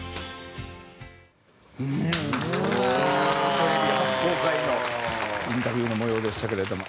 テレビ初公開のインタビューの模様でしたけれども。